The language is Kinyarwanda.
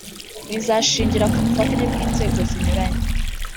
bizashingira ku bufatanye bw’inzego zinyuranye